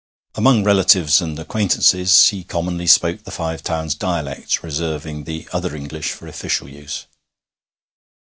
Among relatives and acquaintances he commonly spoke the Five Towns dialect, reserving the other English for official use.